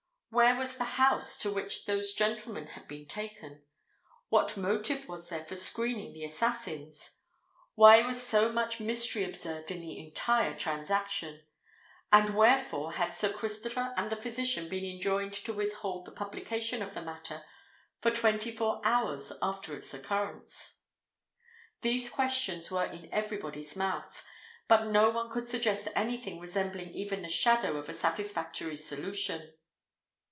Where was the house to which those gentlemen had been taken? What motive was there for screening the assassins? Why was so much mystery observed in the entire transaction? And wherefore had Sir Christopher and the physician been enjoined to withhold the publication of the matter for twenty four hours after its occurrence? These questions were in every body's mouth; but no one could suggest any thing resembling even the shadow of a satisfactory solution.